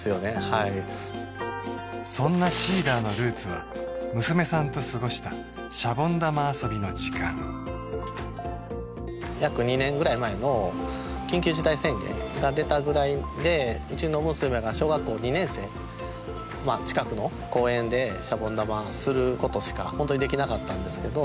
はいそんなＳｅｅｄｅｒのルーツは娘さんと過ごしたシャボン玉遊びの時間約２年前ぐらい前の緊急事態宣言が出たぐらいでうちの娘が小学校２年生近くの公園でシャボン玉することしか本当にできなかったんですけど